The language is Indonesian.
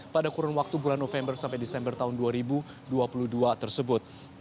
pada kurun waktu bulan november sampai desember tahun dua ribu dua puluh dua tersebut